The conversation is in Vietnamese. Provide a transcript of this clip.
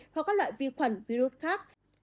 hoặc các loại vi khuẩn virus khác